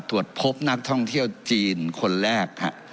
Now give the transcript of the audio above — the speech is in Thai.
ตรวจพบนักท่องเที่ยวจีนคนแรก